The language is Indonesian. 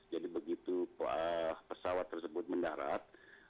jadi begitu pesawat tersebut mendarat